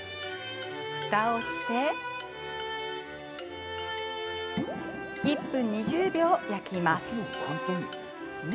ふたをして１分２０秒焼きます。